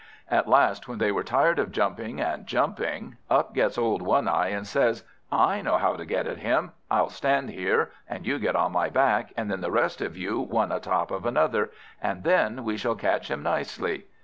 At last, when they were tired of jumping, and jumping, up gets old One eye, and says, "I know how to get at him. I'll stand here, and you get on my back, and then the rest of you one a top of another, and then we shall catch him nicely."